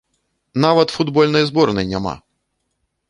Нават футбольнай зборнай няма!